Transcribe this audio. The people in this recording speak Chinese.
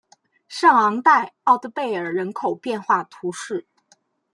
圣昂代奥德贝尔人口变化图示